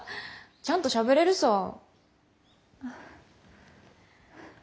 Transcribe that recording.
ちゃんとしゃべれるさぁ。